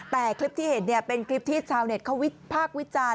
แต่คลิปที่เห็นเป็นคลิปที่ชาวเน็ตเขาวิพากษ์วิจารณ์